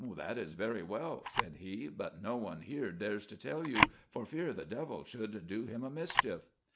" That is very well," said he ;" bvit no one here dares to tell you, for fear the devil should do him a mischief."